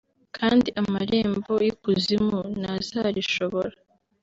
kandi amarembo y'ikuzimu ntazarishobora